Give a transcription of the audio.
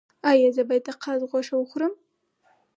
ایا زه باید د قاز غوښه وخورم؟